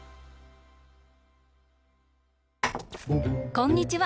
こんにちは。